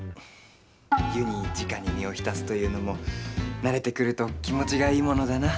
湯にじかに身を浸すというのも慣れてくると気持ちがいいものだな。